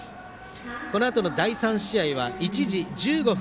このあとの第３試合は１時１５分